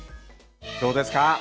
どうですか？